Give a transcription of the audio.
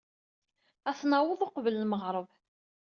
Ad at-naweḍ uqbel n lmeɣreb.